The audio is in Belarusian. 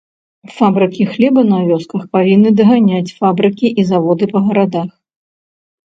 Фабрыкі хлеба на вёсках павінны даганяць фабрыкі і заводы па гарадах.